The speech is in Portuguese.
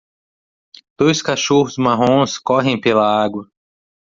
Dois cachorros marrons correm pela água.